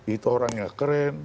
itu orangnya keren